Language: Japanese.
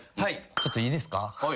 ちょっといいですか？